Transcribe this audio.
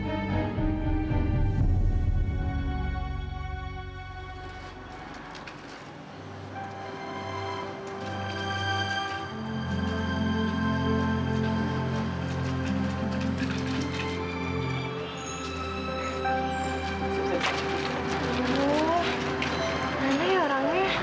aduh mana ya orangnya